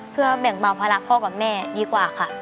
เพื่อแบ่งเบาภาระพ่อกับแม่ดีกว่าค่ะ